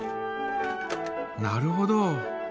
なるほど。